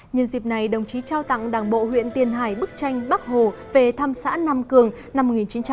nhân dịp này đồng chí trao tặng đảng bộ huyện tiền hải bức tranh bắc hồ về thăm xã nam cường năm một nghìn chín trăm năm mươi